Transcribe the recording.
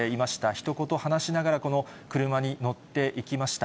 ひと言話しながら、車に乗っていきました。